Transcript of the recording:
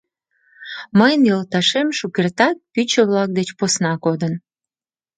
Мыйын йолташем шукертак пӱчӧ-влак деч посна кодын